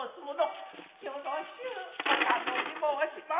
宜しゅうお頼み申します。